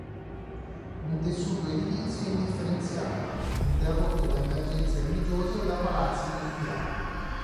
Un tessuto edilizio indifferenziato interrotto da emergenze religiose o da palazzi nobiliari.